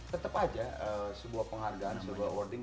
tetap aja sebuah penghargaan sebuah warning